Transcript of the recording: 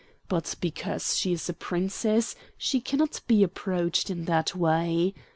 But because she is a Princess she cannot be approached in that way.